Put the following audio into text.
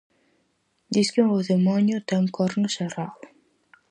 Disque o demoño ten cornos e rabo.